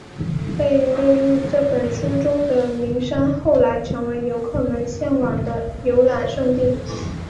被列入这本书中的名山后来成为游客们向往的游览胜地。